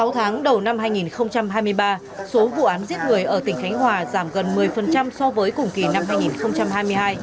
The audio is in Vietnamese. sáu tháng đầu năm hai nghìn hai mươi ba số vụ án giết người ở tỉnh khánh hòa giảm gần một mươi so với cùng kỳ năm hai nghìn hai mươi hai